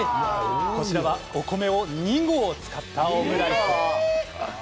こちらは、お米を２合使ったオムライス。